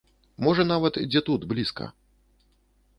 Можа нават дзе тут блізка.